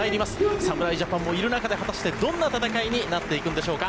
侍ジャパンもいる中で果たしてどんな戦いになっていくんでしょうか。